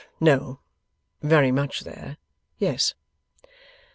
No. Very much there? Yes.